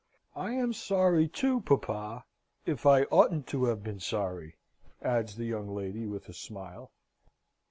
I am sorry, too, papa, if I oughtn't to have been sorry!" adds the young lady, with a smile.